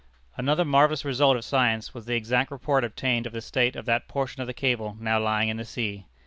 Another marvellous result of science was the exact report obtained of the state of that portion of the cable now lying in the sea.